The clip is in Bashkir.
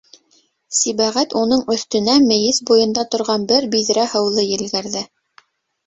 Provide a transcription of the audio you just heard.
Сибәғәт уның өҫтөнә мейес буйында торған бер биҙрә һыуҙы елгәрҙе.